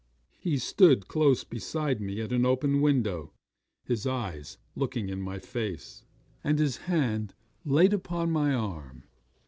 He stood close beside me at an open window, his eyes looking in my face, and his hand laid upon my arm.